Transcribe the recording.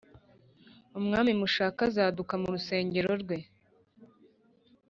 Umwami mushaka azāduka mu rusengero rwe